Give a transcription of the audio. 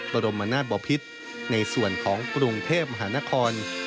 บรมนาศบพิษในส่วนของกรุงเทพมหานคร